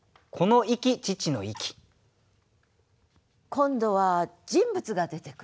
今度は人物が出てくる。